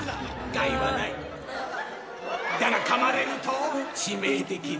害はないだが噛まれると致命的だ